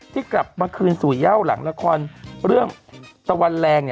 กลับมาคืนสู่เย่าหลังละครเรื่องตะวันแรง